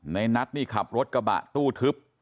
ในนัทนี่ขับรถกระบะตู้ทึบ